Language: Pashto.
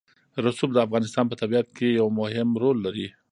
رسوب د افغانستان په طبیعت کې یو مهم رول لري.